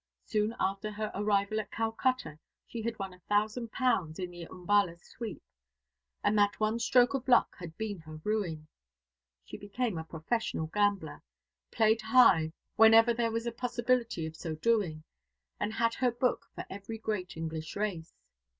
Soon after her arrival at Calcutta she had won a thousand pounds in the Umballa Sweep, and that one stroke of luck had been her ruin. She became a professional gambler, played high whenever there was a possibility of so doing, and had her book for every great English race.